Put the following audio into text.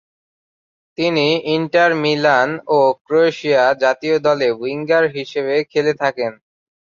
তিনি Inter Milan ও Croatia জাতীয় দলে উইঙ্গার হিসেবে খেলে থাকেন।